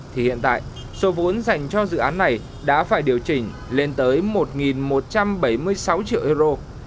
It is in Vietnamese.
thì hiện tại số vốn dành cho dự án này đã phải điều chỉnh lên tới một một trăm bảy mươi sáu triệu euro